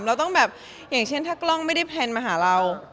เราต้องแบบอย่างเช่นถ้ากล้องไม่ได้แพลนมาหาเรา